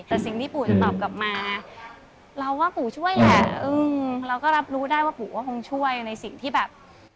แต่สิ่งที่ปูจะตอบกลับมาเราก็รับรู้ได้ว่าปูคงช่วยในสิ่งที่แบบ